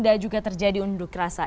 samarinda juga terjadi unjuk rasa